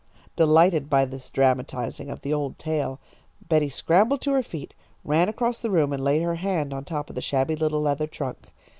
Delighted by this dramatising of the old tale, Betty scrambled to her feet, ran across the room, and laid her hand on top of the shabby little leather trunk.